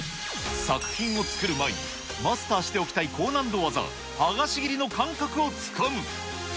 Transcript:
作品を作る前に、マスターしておきたい高難度技、剥がし切りの感覚をつかむ。